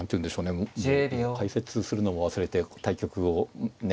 もう解説するのも忘れて対局をねえ